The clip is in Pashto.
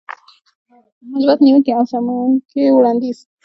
مثبتې نيوکې او سموونکی وړاندیز.